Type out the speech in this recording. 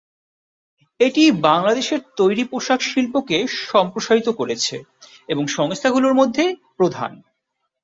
এটি বাংলাদেশের তৈরি পোশাক শিল্পকে সম্প্রসারিত করছে এমন সংস্থাগুলোর মধ্যে প্রধান।